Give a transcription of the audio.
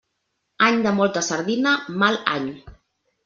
Any de molta sardina, mal any.